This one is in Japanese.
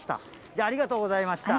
じゃあ、ありがとうございました。